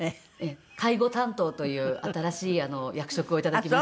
介護担当という新しい役職をいただきまして。